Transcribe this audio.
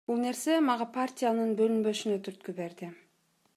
Бул нерсе мага партиянын бөлүнбөшүнө түрткү берди.